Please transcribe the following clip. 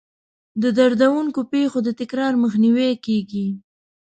د دردونکو پېښو د تکرار مخنیوی کیږي.